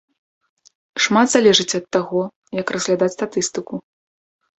Шмат залежыць ад таго, як разглядаць статыстыку.